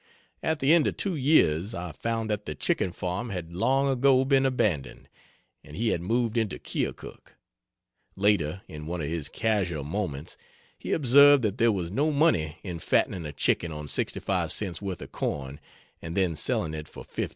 At the end of two years I found that the chicken farm had long ago been abandoned, and he had moved into Keokuk. Later in one of his casual moments, he observed that there was no money in fattening a chicken on 65 cents worth of corn and then selling it for 50.